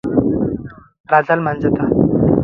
راځه لمانځه ته